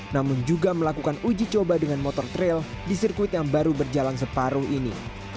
namun juga melakukan uji coba dengan motor trail di sirkuit yang baru berjalan separuh ini